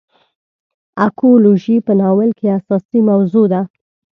اکولوژي په ناول کې اساسي موضوع ده.